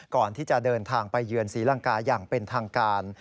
ก่อนที่จะเดินทางไปเยือนศรีลังกาอย่างเป็นทางการ